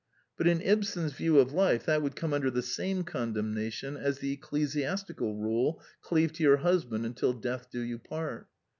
But in Ibsen's view of life, that would come under the same condemnation as the ecclesiastical rule, Cleave to your husband until death do you part.